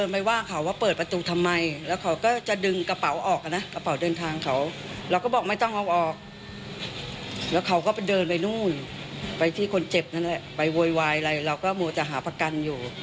ไปที่คนเจ็บนั่นแหละไปโวยวายอะไรเราก็มอเตอร์หาประกันอยู่